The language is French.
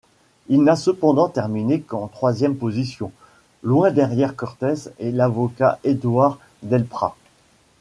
Il n'a cependant terminé qu'en troisième position, loin derrière Cortès et l'avocat Édouard Delprat.